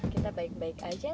kita baik baik aja